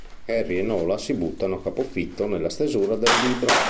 Harry e Nola si buttano a capofitto nella stesura del libro.